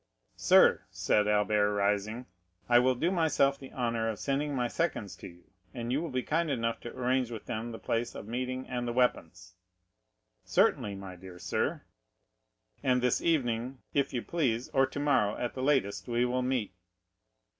"Sir," said Albert, rising, "I will do myself the honor of sending my seconds to you, and you will be kind enough to arrange with them the place of meeting and the weapons." "Certainly, my dear sir." "And this evening, if you please, or tomorrow at the latest, we will meet."